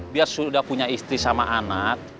dia sudah punya istri sama anak